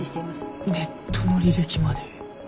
ネットの履歴まで。